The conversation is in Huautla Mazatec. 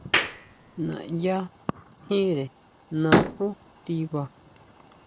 Naʼyá tjínre naxú tiba.